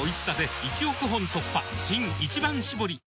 新「一番搾り」